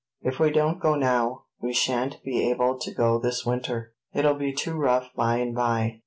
If we don't go now, we shan't be able to go this winter; it'll be too rough by and by.